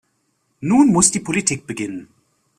Nun muss die Politik beginnen.